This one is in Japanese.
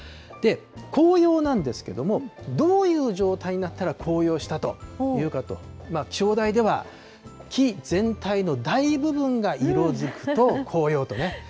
紅葉なんですけれども、どういう状態になったら紅葉したというかと、気象台では、木全体の大部分が色づくと紅葉とね。